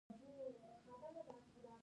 ښکلا لور می له شپږم ټولګی فارغه شوه